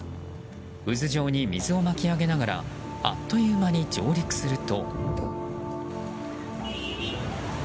渦状に水を巻き上げながらあっという間に上陸すると。